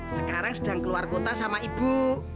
sekarang sedang keluar kota sama ibu